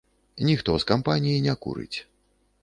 Ніхто з кампаніі не курыць.